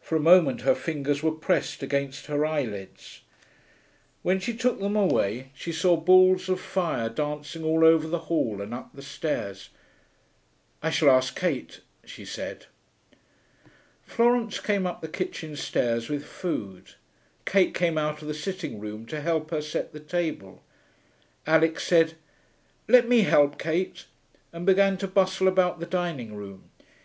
For a moment her fingers were pressed against her eyelids. When she took them away she saw balls of fire dancing all over the hall and up the stairs. 'I shall ask Kate,' she said. Florence came up the kitchen stairs with food. Kate came out of the sitting room to help her set the table. Alix said, 'Let me help, Kate,' and began to bustle about the dining room.